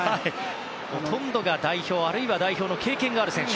ほとんどが代表あるいは代表の経験がある選手。